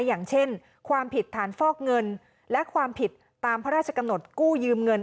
อย่างเช่นความผิดฐานฟอกเงินและความผิดตามพระราชกำหนดกู้ยืมเงิน